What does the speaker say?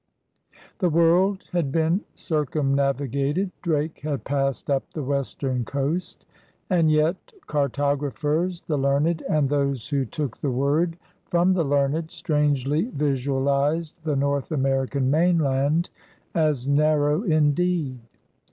The world had been circumnavigated; Drake had passed up the western coast — and yet cartog raphers, the learned, and those who took the word from the learned, strangely visualized the North American mainland as narrow indeed.